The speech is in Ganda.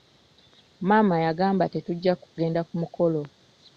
Maama yagamba tetujja kugenda ku mukolo.